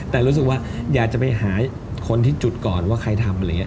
แต่รู้สึกว่าอยากจะไปหาคนที่จุดก่อนว่าใครทำอะไรอย่างนี้